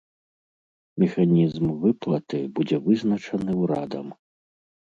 Механізм выплаты будзе вызначаны ўрадам.